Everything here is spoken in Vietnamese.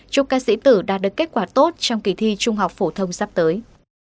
chúc các sĩ tử đạt được kết quả tốt trong kỳ thi trung học phổ thông sắp tới